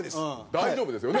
大丈夫ですよね？